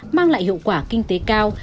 mang lại hiệu quả kinh tế cao